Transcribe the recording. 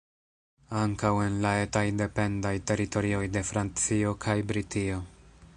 Ankaŭ en la etaj dependaj teritorioj de Francio kaj Britio.